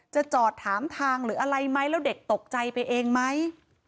จะจอดถามทางหรืออะไรไหมแล้วเด็กตกใจไปเองไหม